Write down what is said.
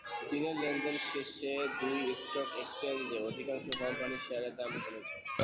দিনের লেনদেন শেষে দুই স্টক এক্সচেঞ্জে অধিকাংশ কোম্পানির শেয়ারের দাম কমেছে।